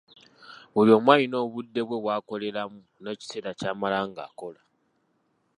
Buli omu alina obudde bwe bw'akoleramu n'ekiseera ky'amala ng'akola.